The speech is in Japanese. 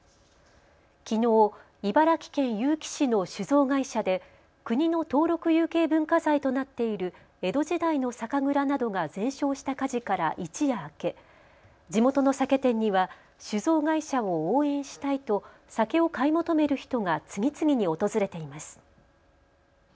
きのう茨城県結城市の酒造会社で国の登録有形文化財となっている江戸時代の酒蔵などが全焼した火事から一夜明け、地元の酒店には酒造会社を応援したいと酒を買い求める人が次々に訪れています。